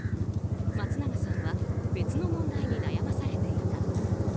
松永さんは別の問題に悩まされていた。